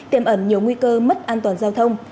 tiềm ẩn nhiều nguy cơ mất an toàn giao thông